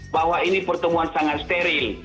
bahwa ini pertemuan sangat steril